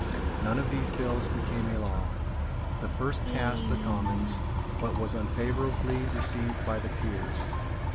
None of these bills became a law. The first passed the Commons, but was unfavourably received by the Peers.